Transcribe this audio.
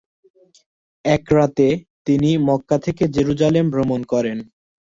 এক রাতে তিনি মক্কা থেকে জেরুজালেম ভ্রমণ করেন।